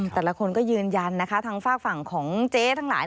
แต่ละคนก็ยืนยันนะคะทางฝากฝั่งของเจ๊ทั้งหลาย